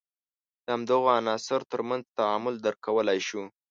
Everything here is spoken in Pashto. د همدغو عناصر تر منځ تعامل درک کولای شو.